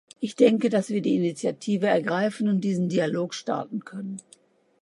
Ich denke, dass wir die Initiative ergreifen und diesen Dialog starten können.